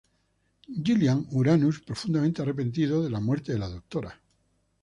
Gilliam, Uranus profundamente arrepentido de la muerte de la Dra.